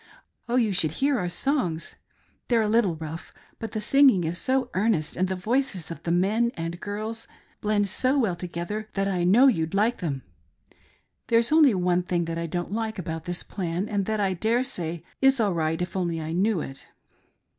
Oh, you should hear our songs! They're a little rough, but the singing is so earnest and the voices of the men and girls blend so well together that I know you'd like them. There's only one thing that I don't like about this plan, and that I daresay is all right if only I knew it."